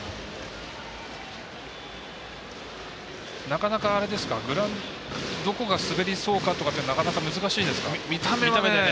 なかなか、どこが滑りそうかとはなかなか難しいですか見た目では。